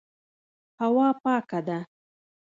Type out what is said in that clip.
هوا پاکه ده.